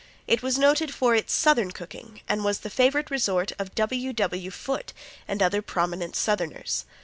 It was noted for its Southern cooking and was the favorite resort of W. W. Foote and other prominent Southerners.